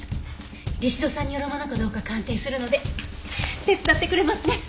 リシド酸によるものかどうか鑑定するので手伝ってくれますね。